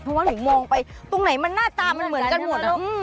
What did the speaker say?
ก็ว่าลืมมองไปตรงไหนหน้าตามันเหมือนกันหมด